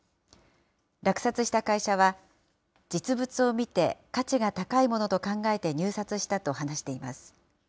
落札した会社は、実物を見て価値が高いものと考えて入札したと話しています。